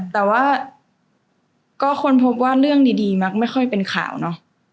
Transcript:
แต่ว่าก็ค้นพบว่าเรื่องดีมักไม่ค่อยเป็นข่าวเนอะ